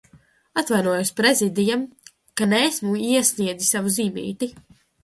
Atvainojos Prezidijam, ka neesmu iesniedzis savu zīmīti.